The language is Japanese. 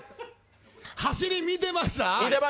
走り見てました。